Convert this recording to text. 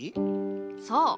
そう。